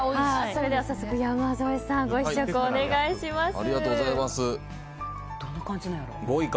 早速、山添さんご試食お願いします。